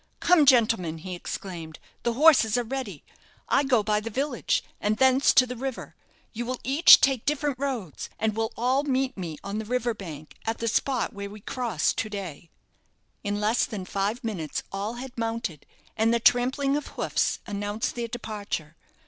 Come, gentlemen!" he exclaimed, "the horses are ready. I go by the village, and thence to the river; you will each take different roads, and will all meet me on the river bank, at the spot where we crossed to day." In less than five minutes all had mounted, and the trampling of hoofs announced their departure.